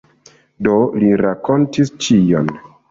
Do li rakontis ĉion.